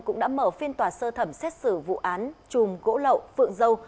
cũng đã mở phiên tòa sơ thẩm xét xử vụ án chùm gỗ lậu phượng dâu